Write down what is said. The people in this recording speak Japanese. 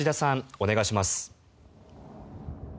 お願いします。